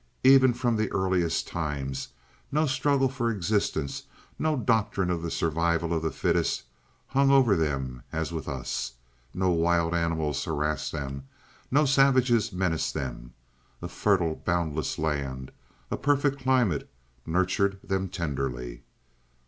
Even from the earliest times no struggle for existence, no doctrine of the survival of the fittest, hung over them as with us. No wild animals harassed them; no savages menaced them. A fertile boundless land, a perfect climate, nurtured them tenderly.